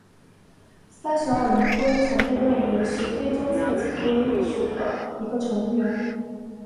塞舌耳泥龟曾被认为是非洲侧颈龟属的一个成员。